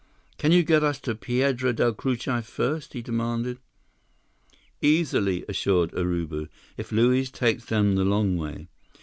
"Can you get us to Piedra Del Cucuy first?" he demanded. "Easily," assured Urubu, "if Luiz takes them the long way."